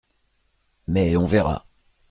Mais on verra.